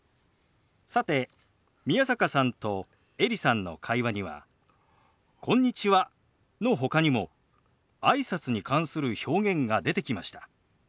さて宮坂さんとエリさんの会話には「こんにちは」のほかにもあいさつに関する表現が出てきました。